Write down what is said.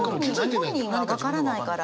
本人は分からないから。